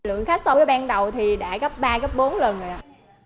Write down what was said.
lượng khách sâu ban đầu thì đã gấp ba gấp bốn lần rồi